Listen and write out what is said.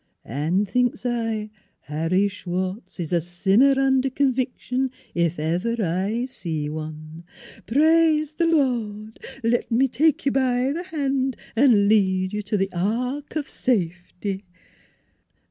An' thinks, s' I, Harry Schwartz is a sinner under conviction, if ever I see one. Praise th' Lord! Let me take you b' th' hand an' lead you t' th' ark of safety."